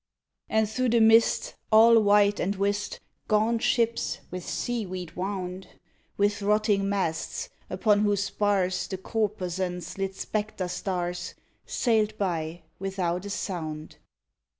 And through the mist, all white and whist, Gaunt ships, with sea weed wound, With rotting masts, upon whose spars The corposants lit spectre stars, Sailed by without a sound.